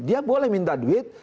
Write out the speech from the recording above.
dia boleh minta duit